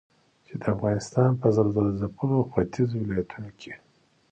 چې د افغانستان په زلزلهځپلو ختيځو ولايتونو کې